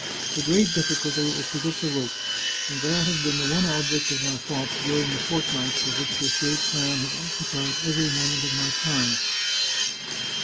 The great difficulty is to get the ropes, and that has been the one object of my thoughts during the fortnight for which this great plan has occupied every instant of my time.